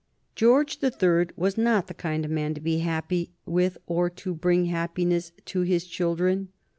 George the Third was not the kind of man to be happy with or to bring happiness to his children.